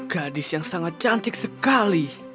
gadis yang sangat cantik sekali